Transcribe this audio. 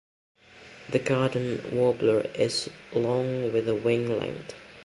The garden warbler is long with a wing length.